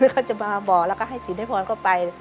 เขาจะมาบอกแล้วก็ให้สินให้พรเข้าไป